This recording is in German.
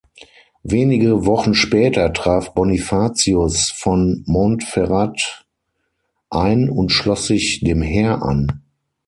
Wenige Wochen später traf Bonifatius von Montferrat ein und schloss sich dem Heer an.